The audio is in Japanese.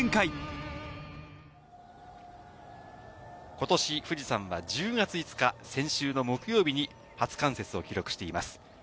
ことし富士山は１０月５日、先週の木曜日に、初冠雪を記録しています。